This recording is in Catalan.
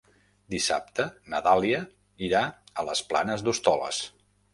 Dissabte na Dàlia irà a les Planes d'Hostoles.